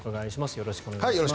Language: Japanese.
よろしくお願いします。